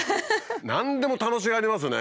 何でも楽しがりますよね